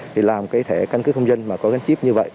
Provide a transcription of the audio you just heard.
thì làm cái thẻ căn cứ công danh mà có gánh chip như vậy